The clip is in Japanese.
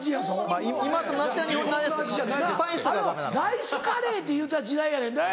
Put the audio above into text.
あれをライスカレーって言うてた時代やねんで？